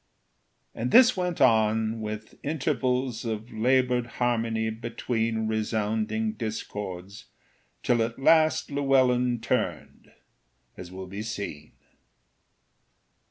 And this went on, with intervals Of labored harmony between Resounding discords, till at last Llewellyn turned as will be seen.